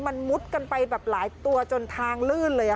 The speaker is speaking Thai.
มันมุดกันไปแบบหลายตัวจนทางลื่นเลย